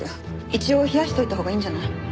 一応冷やしておいたほうがいいんじゃない？